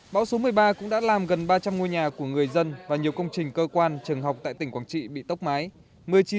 bão số một mươi ba cũng đã làm gần ba trăm linh ngôi nhà của người dân và nhiều công trình cơ quan trường học tại tỉnh quảng trị bị tốc mái